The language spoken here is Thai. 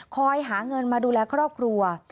คอยหาเงินมาดูแลครอบครัว